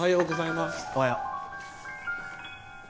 おはよう。